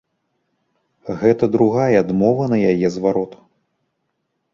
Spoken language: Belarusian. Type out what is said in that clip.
Гэта другая адмова на яе зварот.